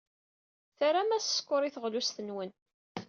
Ternam-as sskeṛ i teɣlust-nwen.